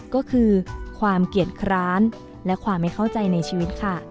ก็คือความเกียรติคร้านและความไม่เข้าใจในชีวิตค่ะ